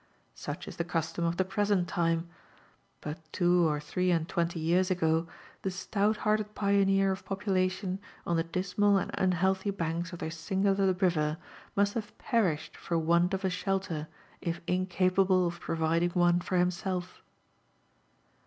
Such is the custom of the present time ; but two or three and twenty years ago, the stout hearted pioneer of population on the dismal and un healthy banks of this singular river must have perished for want of a shelter, if incapable of providing one for himself.